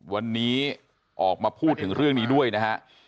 วันนี้ออกมาพูดถึงเรื่องนี้ด้วยนะฮะ